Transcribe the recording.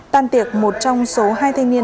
tan tiệc một trong số hai thanh niên